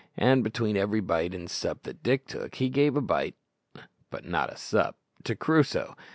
And between every bite and sup that Dick took, he gave a bite but not a sup to Crusoe.